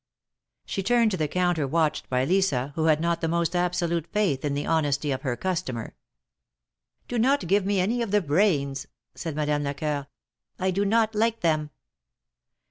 She turned to the counter watched by Lisa, who had not the most absolute faith in the honesty of her customer. "Do not give me any of the brains," said Madame Lecoeur. " I do not like them."